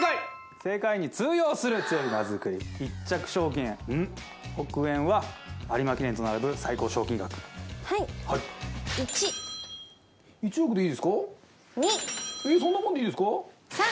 世界に通用する強い馬づくり１着賞金ウン億円は有馬記念と並ぶ最高賞金額はいはい１億でいいですかえっ